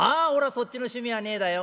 そっちの趣味はねえだよ」。